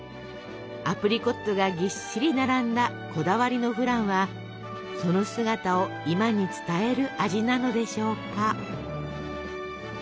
アプリコットがぎっしり並んだこだわりのフランはその姿を今に伝える味なのでしょうか。